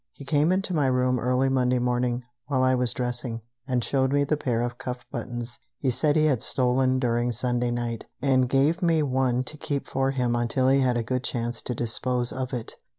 He came into my room early Monday morning, while I was dressing, and showed me the pair of cuff buttons he said he had stolen during Sunday night, and gave me one to keep for him until he had a good chance to dispose of it.